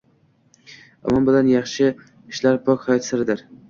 Imon bilan yaxshi ishlar pok hayot siridir.